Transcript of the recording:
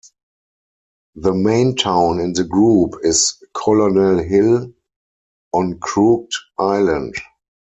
The main town in the group is Colonel Hill on Crooked Island.